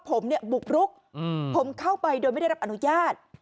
ผมเนี่ยบุกรุกผมเข้าไปโดยไม่ได้รับอนุญาต